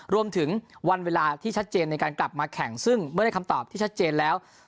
รวมถึงวันเวลาที่ชัดเจนในการกลับมาแข่งซึ่งเมื่อได้คำตอบที่ชัดเจนแล้ว